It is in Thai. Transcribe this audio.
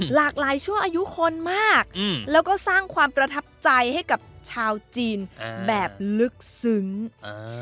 หลากหลายชั่วอายุคนมากอืมแล้วก็สร้างความประทับใจให้กับชาวจีนอ่าแบบลึกซึ้งอ่า